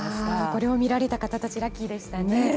これを見られた方たちラッキーでしたね。